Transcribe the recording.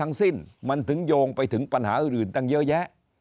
ทั้งสิ้นมันถึงโยงไปถึงปัญหาอื่นตั้งเยอะแยะ